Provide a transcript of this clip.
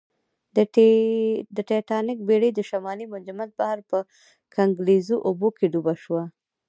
د ټیټانیک بېړۍ د شمالي منجمند بحر په کنګلیزو اوبو کې ډوبه شوه